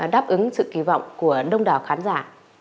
đáp ứng sự kỳ vọng của đông đảo khán giả